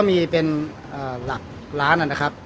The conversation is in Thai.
มีเป็นหลักล้านนะครับ